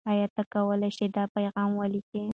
آیا ته کولای شې دا پیغام ولیکې؟